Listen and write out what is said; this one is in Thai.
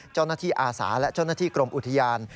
เจ้าหน้าที่อาสาและเจ้าหน้าที่กรมอุทยาน